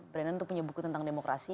brandan itu punya buku tentang demokrasi